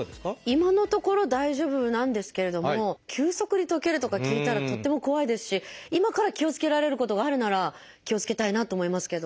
今のところ大丈夫なんですけれども急速に溶けるとか聞いたらとっても怖いですし今から気をつけられることがあるなら気をつけたいなと思いますけど。